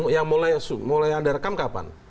ya mulai ada rekam kapan